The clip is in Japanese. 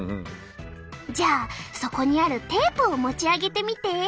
じゃあそこにあるテープを持ち上げてみて。